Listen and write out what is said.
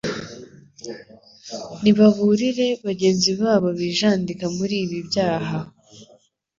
ni baburire bagenzi babo bijandika muri ibi byaha